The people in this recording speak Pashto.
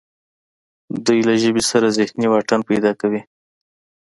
دوی له ژبې سره ذهني واټن پیدا کوي